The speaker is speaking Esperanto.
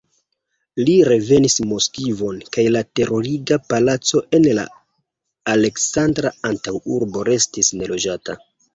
Li revenis Moskvon, kaj la teruriga palaco en la Aleksandra antaŭurbo restis neloĝata.